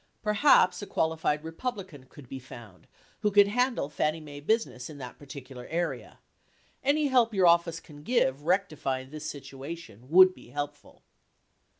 Perhaps a qualified Republican could be found who could handle F annie Mae business in that particular area. Any help your office can give rectifying this situation would be help ful.